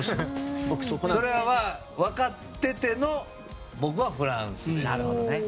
それは分かってての僕はフランスです。